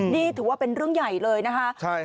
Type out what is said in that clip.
นี่ถือว่าเป็นเรื่องใหญ่เลยนะคะ